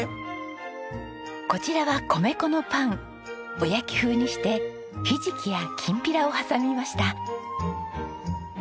おやき風にしてひじきやきんぴらを挟みました。